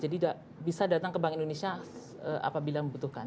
jadi bisa datang ke bank indonesia apabila membutuhkan